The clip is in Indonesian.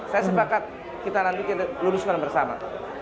saya sepakat kita nanti kita luruskan bersama